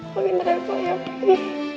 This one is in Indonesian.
pakin rapah ya papi